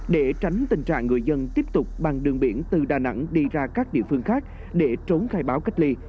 để tránh tình trạng người dân tiếp tục bằng đường biển từ đà nẵng đi ra các địa phương khác để trốn khai báo cách ly